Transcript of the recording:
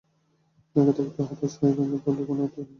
লেগে থাকতে হয়, হতাশ হয়ে ভেঙে পড়লে কোনো অসাধ্যসাধন করা যায় না।